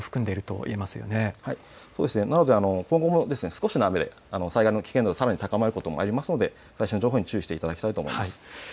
なので今後も少しの雨で災害の危険度、さらに高まることもありますので最新の情報に注意していただきたいと思います。